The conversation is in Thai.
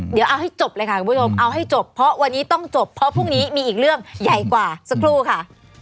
เดี๋ยวเอาให้จบเลยค่ะคุณผู้ชมเอาให้จบเพราะวันนี้ต้องจบเพราะพรุ่งนี้มีอีกเรื่องใหญ่กว่าสักครู่ค่ะ